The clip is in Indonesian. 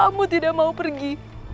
kamu tidak mau pergi